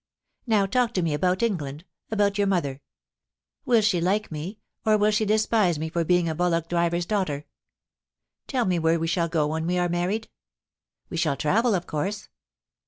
Now talk to me about England — about your mother. Will she like me, or will she despise me for being a bullock driver*s daughter? Tell me where we shall go when we are married ? We shall travel, of course.